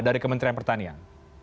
dari kementerian pertanian